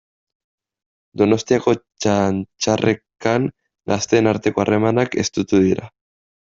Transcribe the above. Donostiako Txantxarrekan gazteen arteko harremanak estutu dira.